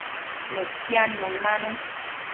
Mëquiadnun nanu